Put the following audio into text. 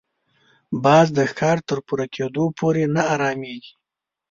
باز د ښکار تر پوره کېدو پورې نه اراميږي